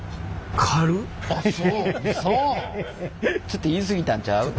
ちょっと言い過ぎたんちゃう？